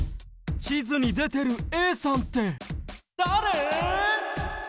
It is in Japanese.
ちずにでてるＡさんってだれ？